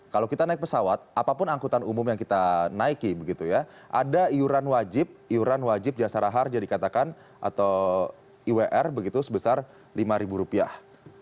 kalau kita naik pesawat apapun angkutan umum yang kita naiki ada iuran wajib jasara harja dikatakan atau iwr sebesar lima ribu rupiah